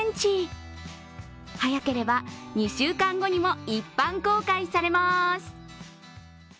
早ければ２週間後にも一般公開されます。